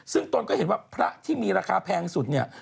ซึ่งตนก็เห็นว่าพระที่มีราคาแพงสุดเนี่ย